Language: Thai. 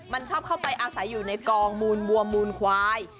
มันชอบเข้าไปอาศัยอยู่ในกองมูลบัวมูลควาย